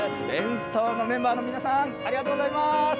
演奏のメンバーの皆さん、ありがとうございます。